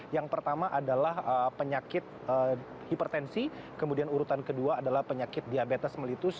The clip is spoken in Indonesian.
yang pertama adalah penyakit hipertensi kemudian urutan kedua adalah penyakit diabetes melitus